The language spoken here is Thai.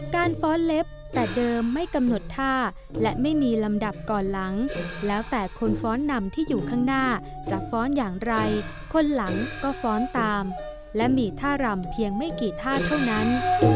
ฟ้อนเล็บแต่เดิมไม่กำหนดท่าและไม่มีลำดับก่อนหลังแล้วแต่คนฟ้อนนำที่อยู่ข้างหน้าจะฟ้อนอย่างไรคนหลังก็ฟ้อนตามและมีท่ารำเพียงไม่กี่ท่าเท่านั้น